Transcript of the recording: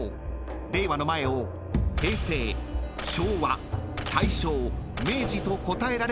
令和の前を「平成・昭和・大正・明治」と答えられれば正解］